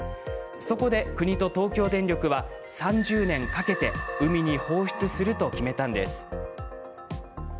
そこで国と東京電力は３０年かけて海に放出すると決めたんです。